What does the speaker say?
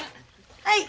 はい。